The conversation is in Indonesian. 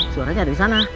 suaranya ada disana